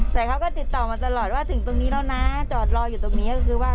แต่เขาก็ติดต่อมาตลอดว่าถึงตรงนี้แล้วนะจอดรออยู่ตรงนี้ก็คือว่า